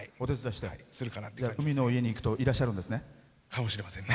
海の家にいるといらっしゃるんですね。